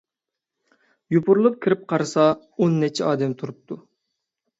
يوپۇرۇلۇپ كىرىپ قارىسا، ئون نەچچە ئادەم تۇرۇپتۇ.